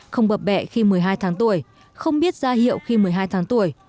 không bập bẹ khi một mươi hai tháng tuổi không biết ra hiệu khi một mươi hai tháng tuổi